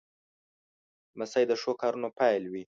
لمسی د ښو کارونو پیل وي.